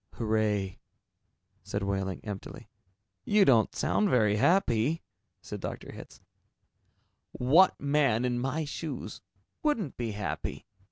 "Hooray," said Wehling emptily. "You don't sound very happy," said Dr. Hitz. "What man in my shoes wouldn't be happy?"